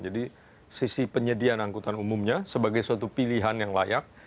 jadi sisi penyediaan angkutan umumnya sebagai suatu pilihan yang layak